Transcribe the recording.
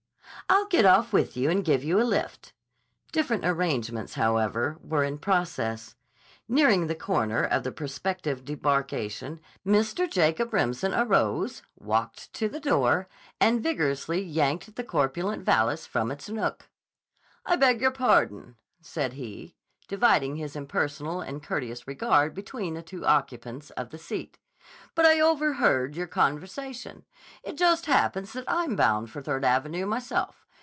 "I'll get off with you and give you a lift." Different arrangements, however, were in process. Nearing the corner of the prospective debarkation Mr. Jacob Remsen arose, walked to the door, and vigorously yanked the corpulent valise from its nook. "I beg your pardon," said he, dividing his impersonal and courteous regard between the two occupants of the seat, "but I overheard your conversation. It just happens that I'm bound for Third Avenue, myself.